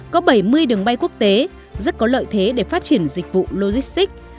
có bảy mươi đường bay quốc tế rất có lợi thế để phát triển dịch vụ logistics